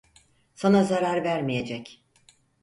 Sana zarar vermeyecek.